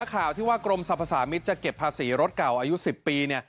ข่าวที่ว่ากรมสรรพสามิตรจะเก็บภาษีรถเก่าอายุ๑๐ปี